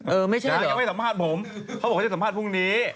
เออไม่ใช่เหรอเขาบอกว่าจะสัมภาษณ์พรุงนี้